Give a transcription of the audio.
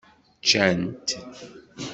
Ččant.